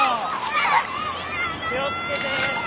気を付けて。